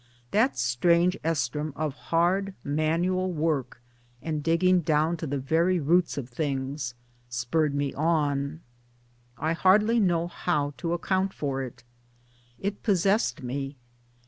That strange oestrum of hard manual work, and digging down to the very roots of things, spurred me on. I hardly know how to account for it. It pos , sessed me.